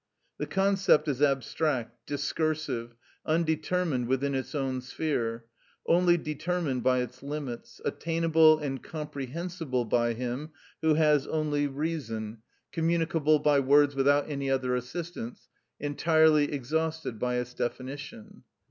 The concept is abstract, discursive, undetermined within its own sphere, only determined by its limits, attainable and comprehensible by him who has only reason, communicable by words without any other assistance, entirely exhausted by its definition.